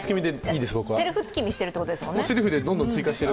セルフ月見してるってことですもんね。